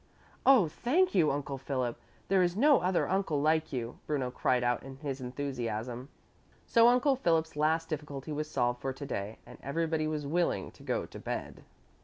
"Oh, thank you, Uncle Philip! There is no other uncle like you," Bruno cried out in his enthusiasm. So Uncle Philip's last difficulty was solved for to day and everybody was willing to go to bed.